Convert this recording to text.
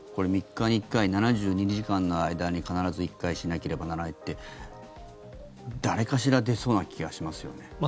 ３日に１回、７２時間の間に必ず１回しなければならないって誰かしら出そうな気がしますね。